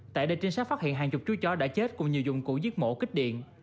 tại đây trinh sát phát hiện hàng chục chú chó đã chết cùng nhiều dụng cụ giết mổ kích điện